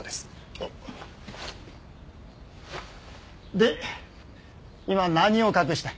で今何を隠した？